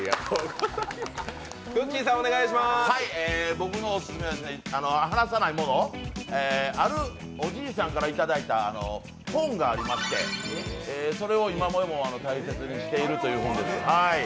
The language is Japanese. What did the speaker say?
僕のオススメは離さないものあるおじいさんからいただいた本がありまして、それを今でも大切にしているという本です。